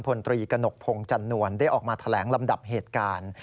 พลตรีกระหนกพงศ์จันนวลได้ออกมาแถลงลำดับเหตุการณ์